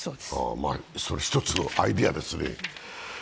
それは一つのアイデアですね。